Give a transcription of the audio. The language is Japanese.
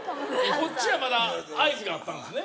こっちはまだ合図があったんですね